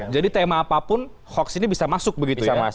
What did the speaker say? jadi tema apapun hoaks ini bisa masuk begitu